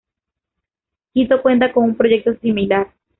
Quito cuenta con un proyecto similar.